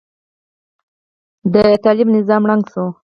د طالب نظام ړنګ شو.